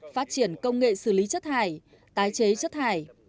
phát triển công nghệ xử lý chất hải tái chế chất hải